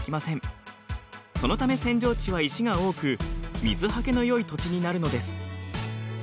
そのため扇状地は石が多く水はけのよい土地になるのです。